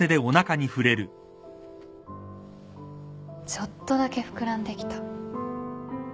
ちょっとだけ膨らんできた。